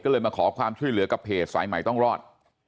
ก็เลยมาขอความช่วยเหลือกับเพจสายใหม่ต้องรอด